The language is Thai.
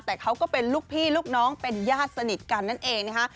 แต่เขาก็เป็นลูกพี่ลูกน้องเป็นญาติสนิทกันนั่นเองนะคะ